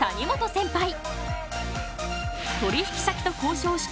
センパイ。